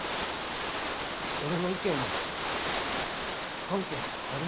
俺の意見は関係ある？